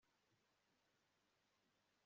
ntuzigere uhinduka